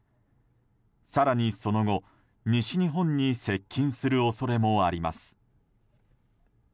更にその後、西日本に接近する恐れもあります。